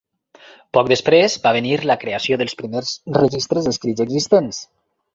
Poc després va venir la creació dels primers registres escrits existents.